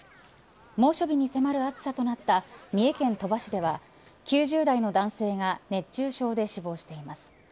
猛暑日に迫る暑さとなった三重県鳥羽市では９０代の男性が熱中症で死亡しています。